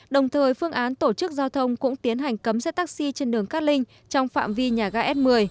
đồng thời phương án tổ chức giao thông cũng tiến hành cấm xe taxi trên đường cát linh trong phạm vi nhà ga s một mươi